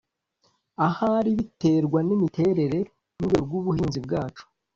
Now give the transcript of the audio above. Ahari biterwa n’imiterere y’ urwego rw’ ubuhinzi bwacu